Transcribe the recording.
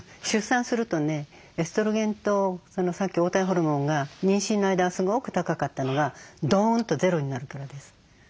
出産するとねエストロゲンとさっき黄体ホルモンが妊娠の間はすごく高かったのがドーンとゼロになるからです。